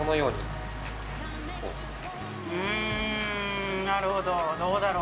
うーん、なるほど、どうだろう。